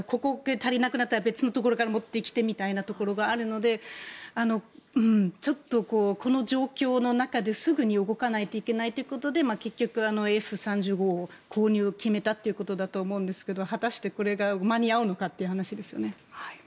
足りなくなったら別のところから持ってきてみたいなところがあるのでちょっとこの状況の中ですぐに動かないといけないということで結局、Ｆ３５の購入を決めたということだと思うんですけど果たしてこれが間に合うのかって話ですよね。